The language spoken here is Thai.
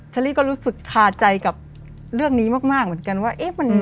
เชอรี่ก็รู้สึกคาใจกับเรื่องนี้มากเหมือนกันว่า